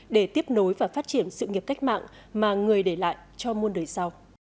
để tiếp nối và phát triển sự nghiệp cách mạng mà người để lại cho muôn đời sau